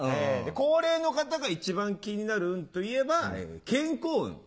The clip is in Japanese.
高齢の方が一番気になる運といえば健康運。